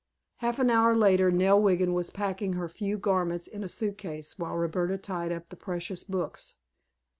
Half an hour later Nell Wiggin was packing her few garments in a suitcase, while Roberta tied up the precious books.